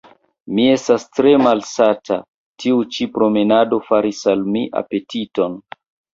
Mi estas tre malsata; tiu ĉi promenado faris al mi apetiton.